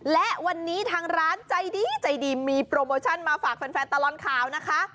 และวันนี้ทางร้านใจดีใจดีมีโปรโมชั่นมาฝากแฟนตลอดข่าวนะคะ